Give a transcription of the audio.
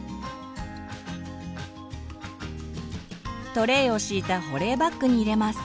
トレイを敷いた保冷バッグに入れます。